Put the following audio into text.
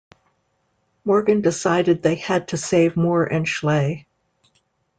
Morgan decided they had to save Moore and Schley.